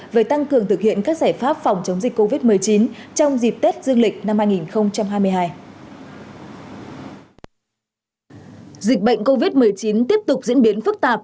về tăng cường thực hiện các giải pháp phòng chống dịch covid một mươi chín trong dịp tết dương lịch năm hai nghìn hai mươi hai